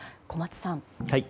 小松さん。